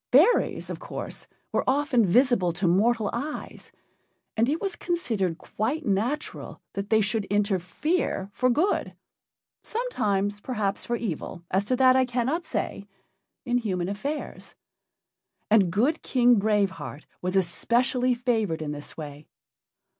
Fairies, of course, were often visible to mortal eyes, and it was considered quite natural that they should interfere for good sometimes, perhaps, for evil; as to that I cannot say in human affairs. And good King Brave Heart was especially favored in this way.